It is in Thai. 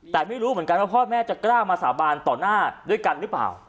แต่ไม่รู้เหมือนกันว่าพ่อแม่จะกล้ามาสาบานต่อหน้าด้วยกันหรือเปล่า